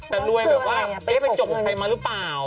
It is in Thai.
แต่รวยแบบว่าไม่ได้ไปจกให้กับใครมารึเปล่า